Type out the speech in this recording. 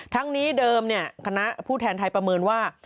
ทั้งนี้เดิมคณะผู้แทนไทยประเมินว่า